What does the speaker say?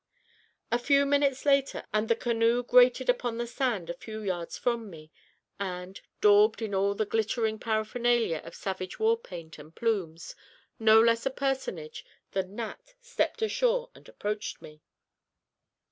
A few minutes later and the canoe grated upon the sand a few yards from me; and, daubed in all the glittering paraphernalia of savage war paint and plumes, no less a personage than Nat stepped ashore and approached me!